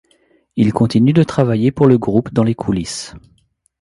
Ils continuent de travailler pour le groupe dans les coulisses.